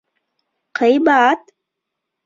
Ҡыйбат!